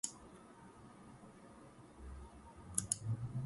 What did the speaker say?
Filipinos are described as hard-working and punctual by Taro.